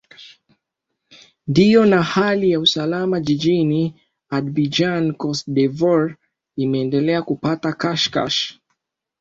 ndio na hali ya usalama jijini adbijan coste de voire imeendelea kupata kash kash